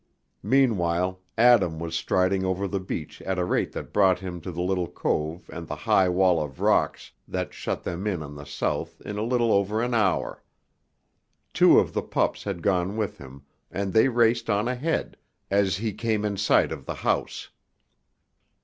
Meanwhile Adam was striding over the beach at a rate that brought him to the little cove and the high wall of rocks that shut them in on the south in a little over an hour. Two of the pups had gone with him, and they raced on ahead, as he came in sight of the house.